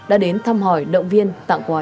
đã đến thăm hỏi động viên tặng quà